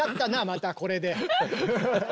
またこれで。